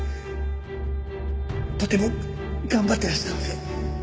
とても頑張ってらしたので。